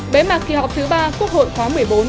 bế mạc kỳ họp thứ ba quốc hội khóa một mươi bốn